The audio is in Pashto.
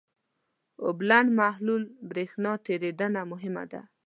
د اوبلن محلول برېښنا تیریدنه مهمه ده.